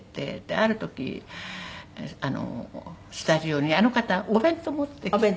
ある時スタジオにあの方お弁当を持ってきて。